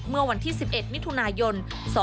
เมื่อวันที่๑๑มิถุนายน๒๕๖